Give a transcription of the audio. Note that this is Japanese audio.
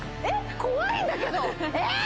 えっ怖いんだけどえ！